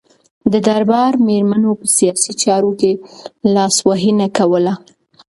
د دربار میرمنو په سیاسي چارو کې لاسوهنه کوله.